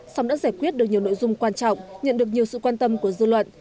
xong đã giải quyết được nhiều nội dung quan trọng nhận được nhiều sự quan tâm của dự luận